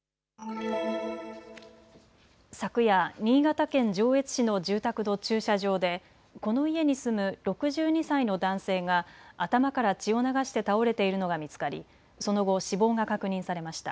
昨夜、新潟県上越市の住宅の駐車場でこの家に住む６２歳の男性が頭から血を流して倒れているのが見つかりその後死亡が確認されました。